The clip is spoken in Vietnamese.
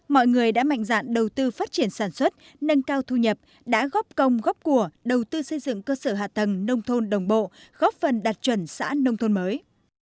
mọi người đã mạnh dạn đầu tư phát triển sản xuất nâng cao thu nhập đã góp công góp của đầu tư xây dựng cơ sở hạ tầng nông thôn đồng bộ góp phần đạt chuẩn xã nông thôn mới